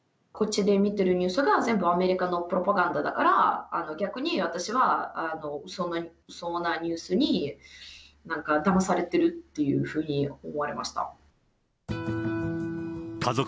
こっちで見てるニュースが、全部アメリカのプロパガンダだから、逆に私は、うそのニュースになんかだまされてるっていうふうに思われました。